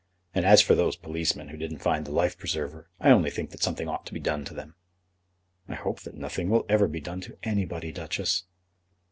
And as for those policemen who didn't find the life preserver; I only think that something ought to be done to them." "I hope that nothing will ever be done to anybody, Duchess."